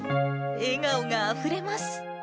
笑顔があふれます。